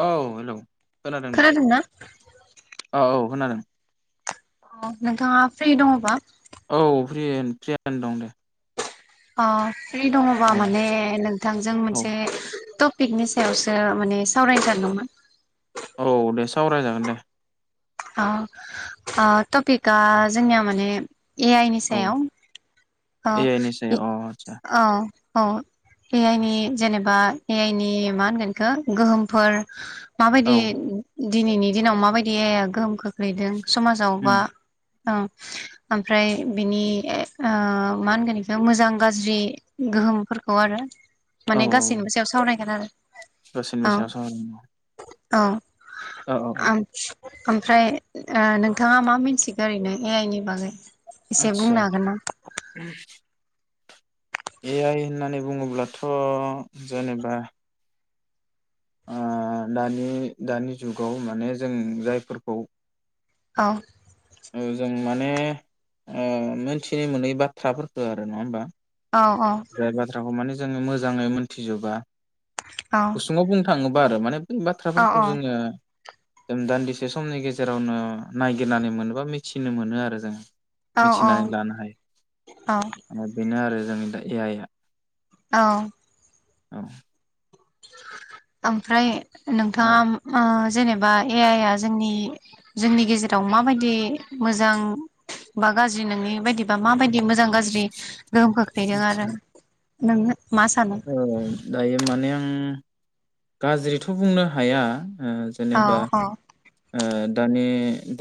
औ हेलौ खोनादों दे। खोनादोंना औ औ खोनादों। अ नोंथाङा फ्रि दङबा? औ फ्रियै फ्रि आनो दं दे अ फ्रि दङबा औ माने नोंथांजों औ मोनसे थ' पिकनि सायावसो माने सावरायथारदोंमोन। औ दे सावरायजागोन दे। ओ ओ थपिखा जोंनिया माने ए आइ नि औ सायाव औ ए आइ नि सायाव अ आदसा औ ए आइनि जेनेबा ए आइ नि मा होनगोनखौ गोहोमफोर औ माबायदि दिनिनि दिनाव माबायदि ए आइ आ गोहोम खोख्लैदों? समाजाव बा उम औ आमफ्राय बिनि ए ओ मा होनगोन बेखौ मोजां गाज्रि गोहोमफोरखौ आरो औ माने गासैनिबो सायाव सावरायगोन आरो औ [unintelligible] औ औ औ औ आ ओमफ्राय ओ नोंथाङा मा मिथिगोन ओरैनो ए आइ नि बागै? एसे आदसा बुंनो हागोन ना? ए आइ होननानै बुङोब्लाथ'? जेनेबा ओ दानि दानि जुगाव माने जों जायफोरखौ औ औ जों माने मोनथिनो मोनै बाथ्राफोरखौ आरो नङा होम्बा औ औ जाय बाथ्राखौ माने जोङो मोजाङै मोनथिजोबा औ गुसुङाव बुंनो थाङोब्ला [unintelligible] माने बे औ बाथ्राफोरखौ जोङो जों दान्दिसे समनि गेजेरावनो नायगिरनानै मोनोबा मिथिनो मोनो आरो जोङो औ मिथिनानै औ लानो हायो औ बेनो आरो जों हाय ए आय आ औ औ ओमफ्राय औ नोंथाङा मा आ जेनेबा ए आय आ जोंनि जोंनि गेजेराव माबायदि मोजां बा गाज्रि नोंनि बायदिबा माबायदि मोजां गाज्रि गोहोम खोख्लैदों आदसा आरो नोंनो औ दायो माने आं गाज्रिथ' बुंनो हाया अ औ जेनेबा औ आं दानि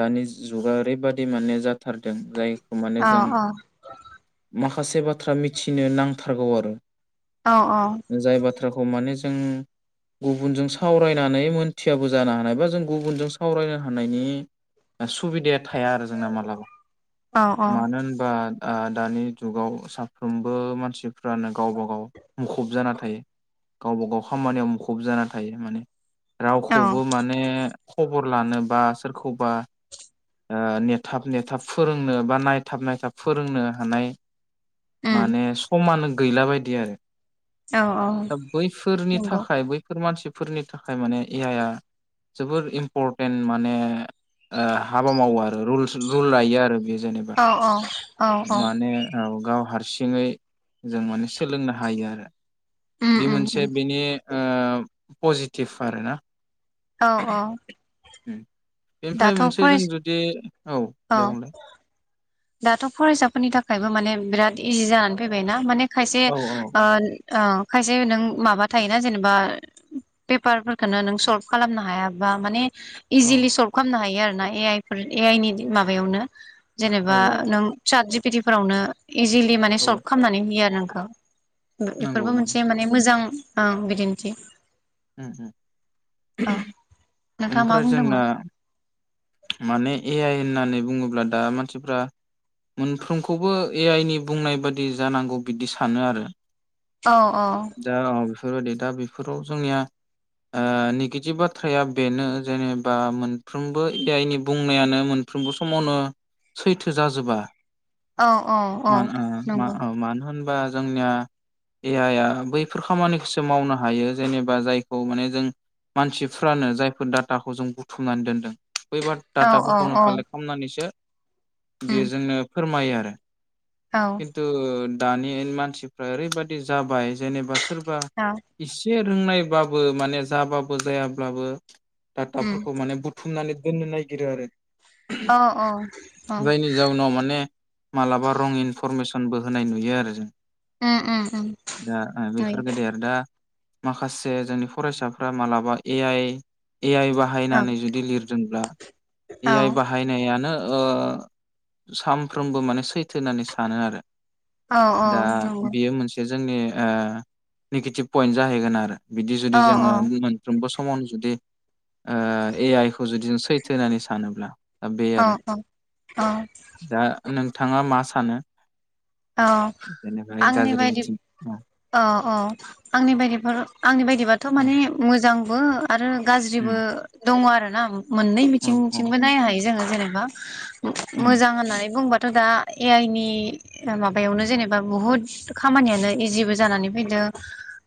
दानि जुगा ओरैबादि माने जाथारदों जाय माने औ जों औ म माखासे बाथ्रा मिथिनो नांथारगौ आरो औ जाय बाथ्राखौ माने जों गुबुनजों सावरायनानै मोन्थियाबो जानो हानाय बा जों गुबुनजों सावरायनो हानायनि सुबिदाया थाया आरो जोंना मालाबा औ औ मानो होनबा आ दानि जुगाव साफ्रोमबो मानसिफ्रानो गावबा गाव मुखुब जाना थायो गावबा गाव खामानियाव मुखुब खुब जाना थायो माने औ रावखौबो माने खबर लानो बा सोरखौबा ओ नेथाब नेथाब फोरोंनो बा नायथाब नायथाब फोरोंनो हानाय उम माने समान गैला बायदि आरो औ औ दा बैफोरनि नंगौ थाखाय बै बे मानसिफोरनि थाखाय माने ए आइ आ जोबोर इम्परटेन्ट माने ओ हाबा मावो आरो रुल्स रुल लायो आरो बे जेनेबा औ औ औ औ माने औ गाव हार सिङै जों माने सोलोंनो हायो आरो। उम बे उम उम मोनसे बेनि ओ पजिटिभ आरो ना। औ अ'। उम बेनिफ्राय मोनसे जों जुदि, औ दे बुंलाय। दाथ' फरायसाफोरनि थाखायबो माने बिराद इजि जानानै फैबायना माने खायसे औ ओ ओ खायसे नों माबा थायोना जेनेबा पेपारफोरखो नों सल्भ खालामनो हायाबा माने औ इजिलि सल्भ खालामनो हायो आरो ना ए आइफोर ए आइनि माबायावनो औ बा नों चाट जि पि टि फोरावनो इजिलि माने औ सल्भ खालामनानै होयो आरो। औ बेफोरबो नंगौ नंगौ मोनसे माने मोजां ओ बिदिन्थि। उम उम औ नोंथाङा मा ओमफ्राय बुंदोंमोन जोंना माने ए आइ होननानै बुङोब्ला दा मानसिफ्रा मोनफ्रोमखौबो ए आइ नि बुंनाय बादि जानांगौ बिदि सानो आरो। औ औ। फोरबायदि दा बेफोराव जोंनिया ओ निगेटिभ बाथ्राया बेनो जेनेबा मोनफ्रोमबो ए आइनि बुंनायानो मोनफ्रोमबो समावनो सैथो जाजोबा। औ, औ, औ नंगौ। बा जोंनिया ए आइ आ बैफोर खामानिखौसो मावनो हायो। जेनेबा जायखौ माने जों मानसिफ्रानो जायफोर डाटाखौ जों बुथुमनानै दोनदों। फैबा औ औ डाटाफोरखौनो औ कालेक्ट खालामनानैसो उम बेयो जोंनो फोरमायो आरो। औ खिन्थु दानि मानसिफ्रा ओरैबायाददि जाबाय जेनेबा सोर बा औ इ जे रोंनायबाबो माने जाबाबो जायाब्लाबो उम टाटाफोरखौ माने बुथुमनानै दोननो नागिरो आरो औ औ जायनि जाउनाव माने मालाबा रं इनफरमेस ओनबो होनाय नुयो आरो जों उम उम उम दा ओ नुयो बेफोर गोदेर दा माखासे जोंनि फरायसाफ्रा मालाबा ए आइ ए आइ बाहायनानै जुदि लिरदोंब्ला ए औ आइ बाहायनायानो ओ सामफ्रोमबो माने सैथ होननानै सानो आरो औ औ दा नंगौ बियो मोनसे जोंनि ओ निगिटिप फयेन जाहै गोन आरो बिदि जुदि औ जोङो मोनफ्रोमबो स समावनो जुदि ओ ए आइ खौ जुदि जों सैथो होनानै सानोब्ला दा बे औ आरो औ दा नोंथाङा मा सा सानो औ जेनेफ्राय आंनि गाज्रि बायदि बिथिं औ औ आंनि बायदिफोर आंनि बायदिबाथ' उम माने मोजां बो आरो गाज्रिबो उम दङ आरो ना मोननै औ औ बिथिंथिंबो नायनो हायो जोङो जेनेबा उम मोजां होननानै बुंबाथ थ दा ए आइ नि ओ माबायावनो जेनेबा बुहुद खामानियानो इजिबो जानानै फैदो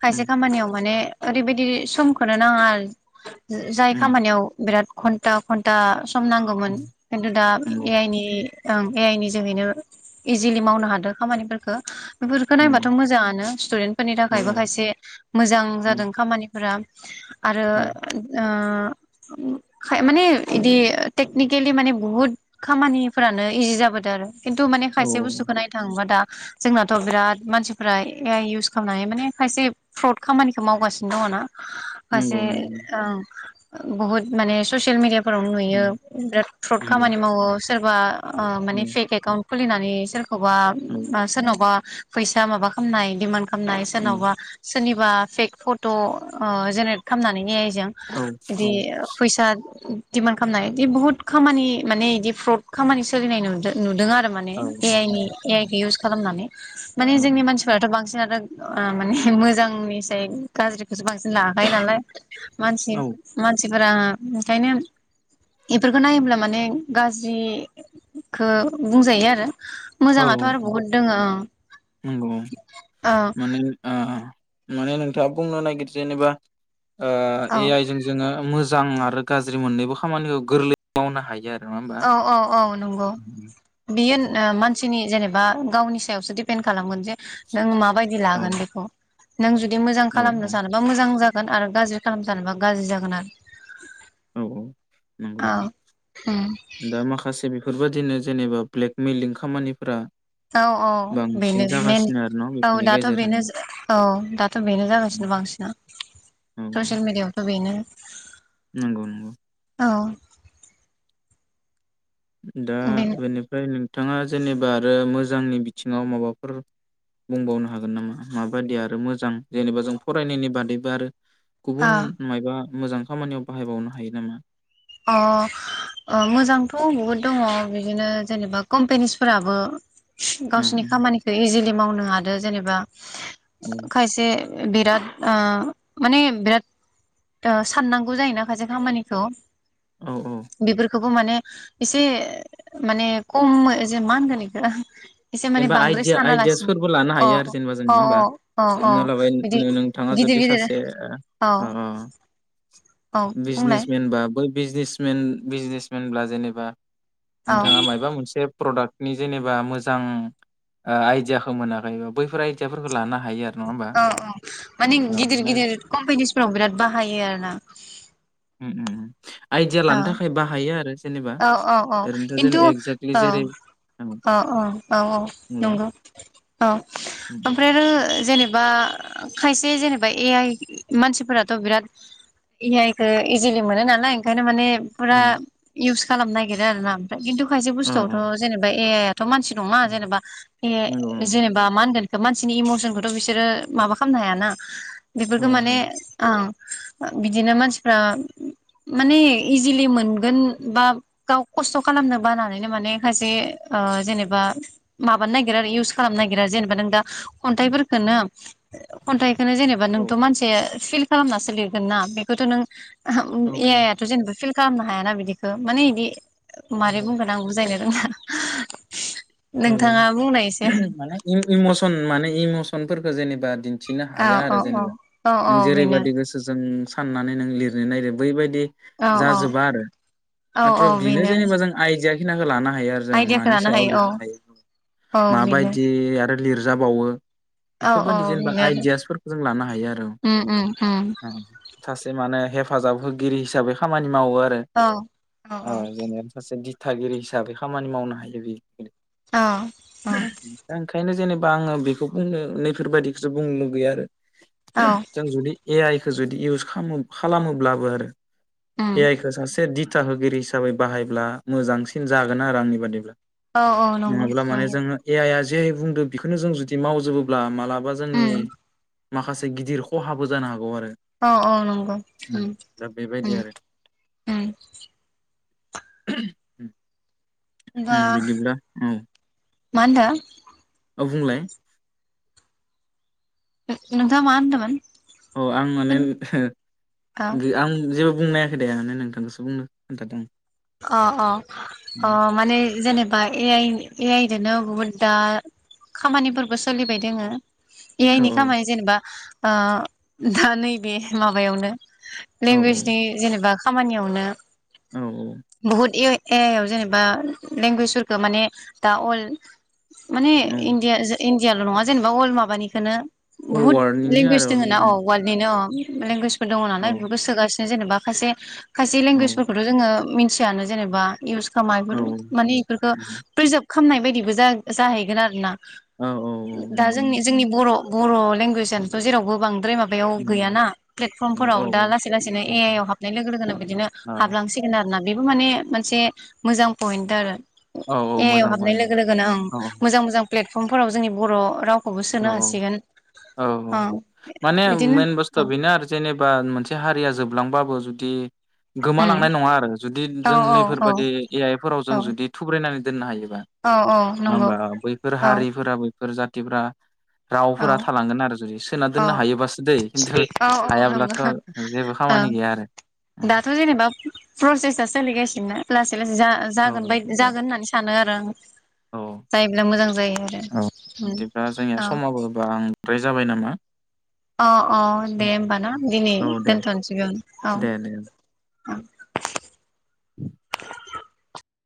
खायसे उम खामानियाव माने ओरैबायाददि समखौनो नाङा जाय उम खामानियाव बिराद खघन्टा खन्टा स सम नांगौमोन खिन्थु दा नंगौ ए आइ नि ओं ए आइ नि जोहैनो इजिलि मावनो हादों खामानिफोरखो। बेफोरखो नायबाथ नंगौ मोजाङानो। स्टुदेन्ट फोरनि औ थाखायबो खायसे मोजां औ जादों खामानि। फोराब। आरो औ ओ। [unintelligible] माने इदि टेकनिकेलि माने बुहुत खामानिफोरानो इजि जाबोदों आरो। खिन्थु माने औ खायसे बस्थुखौ नायनो थाङोबा दा जोंनाथ' बिराद मानसिफ्रा ए आइ इउस खालामनानै माने खायसे फ्रड खामानिखौ मावगासिनो दङ ना? फारसे नंगौ नंगौ अंम। बहुत माने ससियेल मिडिया फोरावनो नुयो उम बिराद फ्रड नंगौ खामानि मावो सोरबा। आह औ माने फेक एकाउन्ट। खुलिनानै सोर सोरखौबा औ सोरनावबा फैसा माबा खालामनाय दिमान्द खालामनाय उम सोरनावबा सोरनिबा फेक फट' जेनेरेट खालामनानै ए आइ जों औ बिदि फैसा दिडमान्ड खालामनाय इदि बुहुत खामानि माने बिदि फ्रद खामानि सोलिनाय नुदों नुदों आरो। माने औ ए औ आइ नि ए आइ खौ यूस खालामनानै माने जोंनि मानसि [unintelligible] बांसिनाथ' माने मोजांनिसाय गाज्रिखौसो बांसिन लाखायो नालाय। मानसिब औ मानसिब। मानसिफोरा ओंखायनो बेफोरखौ नायोब्ला माने गाज्रिखो बुंजायो आरो। मोजाङाथ' औ आरो बहुद दोङ। नंगौ माने आ माने नोंथाङा बुंनो नागिर जेनेबा ओ ए औ आइ जों जोङो मो मोजां आरो गाज्रि मोननैबो खामानिखौ गोरलै मावनो हायो आरो। नङा होमबा औ औ औ नंगौ बेयो मानसिनि जेनेबा गावनि सायावसो डिपेन्दड खालामगोन जे नों माबायदि औ लागोन बेखौ? नों जुद दि मोजां औ औ खालामनो सानोबा मोजां जाग गोन आरो गाज्रि खालाम सानोबा गाज्रि जागोन आरो। औ औ। नंगौ औ नंगौ उम दा माखासे बेफोरबाद दिनो जेनेबा ब्लेकमेलिं खामानिफोरा औ औ बांसिन बेनो मेन जागासिनो आरो न' औ बेफोरनि दाथ' गेजेरजों बेनो औ दाथ' बेनो जागासिनो बांसिना औ ससियेल मिडियाआवथ' बेनो। नंगौ नंगौ। औ दा बेनो बेनिफ्राय नो थाङा जेनेबा आरो मोजांनि बिथिङाव माबाफोर बुंबावनो हागोन नामा माबादि आरो मोजां जेनेबा जों फरायनायनि बादैबो आरो गुबुन ओ मायबा मोजां खामानियाव बाहायबावनो हायो नामा? अ ओ मोजांथ' बुहुद दङ बिदिनो जेनेबा कम्पनिसफोराबो ओ गावसिनि खामानिखौ इजिलि मावनो हादो जेनेबा ओ खायसे बिराद ओ माने बिराद साननांगौ जायोना खायसे खामानिखौ। औ औ बिफोरखौबो माने इसे माने कम जे मा होनगोन इखो एसे माने जेनेबा बांद्राय आइदिया सानालासिनो आइदियासफोरबो लानो अ हायो आरो जेनेबा जों अ नङा होमबा अ अ लाबाय बिदि नो-नोंथाङा गिदिर जुदि गिदिर सासे औ अ औ बुंलाय बिजनेसमेन बा बै बिजनेसमेन बिजनेसमेनब्ला जेनेबा औ नोंथाङा मायबा मोनसे प्रडाक्टनि जेनेबा मो जां ओ आइदियाखौ मोनाखैबा बैफोर आइदियाफोरखौ लानो हायो आरो नङा होमबा औ औ माने औ गिदिर माने गिदिर कम्पानिसफोराव बिराद बाहायो आरोना। आइदिया औ लानो थाखाय बाहायो आरो। जेनेबा औ औ औ ओरैनोथ' जेन किन्थु एक्जेक्टलि अ जेरै अ। औ औ औ बुंलाय नंगौ औ उम ओमफ्राय आरो जेनेबा खायसे जेनेबा ए आइ मानसिफोराथ' बिराद ए आइखौ इजिलि मोनो नालाय ओंखायनो माने उम फ्रा इउस खालामनो नागिरो आरोना। खिन्थु खायसे अ बुस्थुआवथ' जेनेबा ए आइ आ थ' मानसि नङा उम जेनेबा बे नंगौ नंगौ जेनेबा मा होनगोन। मानसिनि इमसनखौथ' बिसोरो माबा खालामनो हायाना। बेफोरखौ हाया माने हाया ओं। बिदिनो मानसिफ्रा माने इजिलि मोनगोन बा गाव खस्थ' खालामनो बानानैनो माने सायसे ओ जेनेबा माबानो नागिरो इउस खालामनो नागिरो जेनेबा नों दा खन्थाइफोरखोनो खन्थाइखोनो जेनेबा औ नोंथ' मानसि फिल खालामनासो लिरगोन ना बेखौथ' नों ओ औ ए आइ आथ' जेनेबा फिल खालामनो हायाना बिदि। माने इदि मोरै नंगौ बुंगोन आं बुजायनो [unintelligible] औ बुंनाय एसे औ माने इम इमसन माने इमसनफोरखौ जेनेबा दिन न्थिनो औ हाया आरो औ औ जेनेबा औ औ नों बेनो जेरैबायदि गोसोजों साननानै नों लिरनो नागिरो बैबायदि औ औ जाजोबा आरो औ औ माथ्र' बिनो बेनो जेनेबा जों आइदिया [unintelligible] लाना हायो आरो जों आइदियाखौ मानि लानो सायाव हायो औ लिरनो। औ बेनो माबायदि आरो लिरजाबावो औ औ बेफोरबायदि जेनेबा बेनो आरो आइदियासफोरखौ जों लानो हायो आरो उम उम उम ओ सासे माने हेफाजाब होगिरि हिसाबै खामानि मावो आरो औ औ जेनेबा सासे दि थागिरि हिसाबै खामानि मावनो हायो [unintelligible] औ दा ओंखायनो जेनेब बा आङो बेखौ बुंनो नैफोरबायदिखौसो बुंनो लुगैया आरो। औ जों जुदि ए आइ जुदि इउस खालाम खालामोब्लाबो आरो। उम ए आइ खौ सासे दि था होगिरि हिसाबै बाहायब्ला मोजांसिन जागोन आरो आंनि बादिब्ला। औ औ नंगौ नङाब्ला माने नंगौ जोङो ए आइ आ जे बुंदों बेखौनो जों जुदि मावजोबोब्ला माला बा जोंनि उम माखासे गिदिर खहाबो जानो हागौ आरो। औ औ नंगौ ओम दा बेबायदि ओम आरो ओम [unintelligible] होमबा उम बिदिब्ला उम मा होनदों? औ बुंलाय? नों-नोंथाङा मा होनदोंमोन? औ आं माने औ एहे आं जेबो बुंना ए आंलाय नोंथांखौसो बुंनो खोनथादों। अ अ अ माने जेनेबा ए आइ-ए आइ बिदिनो बहुद दा खामानिफोरबो सोलिबाय दोङो। ए आं औ आइनि खामानि जेनेबा ओ दा नैबे माबायावनो औ लेंगुवेजनि जेनेबा खामानियावनो औ औ बुहुत ए आइ-ए आइ आव जेनेबा लेंगुवेजफोरखौ माने दा अल माने औ इण्डिया जो इण्डि याल' नङा जेनेबा अल माबानिखौनो अल बुहुद वार्डनिनो लेंगुवेज आरो दोङ ना औ वल्डनिनो अ लेंगुवेज दङ औ नालाय बेखौ सोगासि जेनेबा खायसे खायसे औ लेंगुवेज फोरखौथ' जोङो मिन थियानो जेनेबा इउस खामा औ बेफोर माने इफोरफोरखौ खामनाय बायदिबो जा-जाहैगोन आरो ना औ औ दा नंगौ जोंनि-जोंनि बर' बर' लेंगुवेज आानोथ' जेरावबो बां द्रय माबायाव नंगौ। गैयाना औ प्लेटफर्मफोराव औ दा लासै लासैनो ए आइ आव हाबनाय लोगो लोगोनो बिदिनो औ हाबलांसिगोन आरो। बेबो माने मोनसे मोजां पइेन्ट आरो। औ औ ए आइ मोजां हाबनाय पइन्ट लोगो-लोगोनो ओं औ मोजां-मोजां प्लेटफर्मफोराव जोंनि बर' राव औ औ औ औ माने बिदिनो मेन औ बुस्थुआ बेनो आरो जेनेबा मोनसे हारिया जोब लांबाबो जुदि उम गोमालांनाय नङा आरो जुदि औ जों नैफोरबायाददि औ ए आइफोराव जों औ जुदि थुब्रायनानै दोननो हायो। नङा औ औ नंगौ होमबा बैफोर औ हारिफोराबो इसोर जाथिफोरा औ रावफोरा थालांगोन आरो जुदि सोना औ दोननो हायोबासो दै खिन्थु औ औ हायाब्लाथ' नंगौ जेबो ओ खामानि गैया आरो दाथ' जेनेबा प्रसेसा सोलिगासिनोना प्लास जा औ जागोनबायदि औ जागोन होननानै सानो आर औ [unintelligible] जायोब्ला मोजां जायो औ ओम बिदिब्ला जोंनिया अ समाबो [unintelligible] जाबाय नामा अ अ दे होमबा ना दिनै औ दे दोनथ'नोसै बेयावने दे दे औ [unintelligible] [unintelligible]